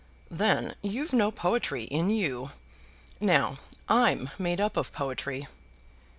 "Then you've no poetry in you. Now I'm made up of poetry."